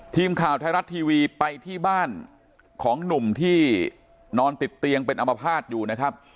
ทีมข่าวไทยรัฐทีวีไปที่บ้านของหนุ่มที่นอนติดเตียงเป็นอมภาษณ์อยู่นะครับ